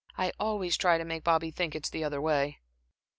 I always try to make Bobby think it's the other way.)